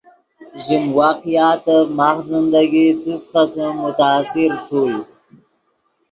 ژیم واقعاتف ماخ زندگی څس قسم متاثر ݰوئے